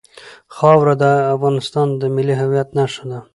خاوره د افغانستان د ملي هویت نښه ده.